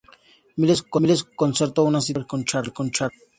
Miles concertó una cita de Sawyer con Charlotte.